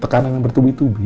tekanan yang bertubi tubi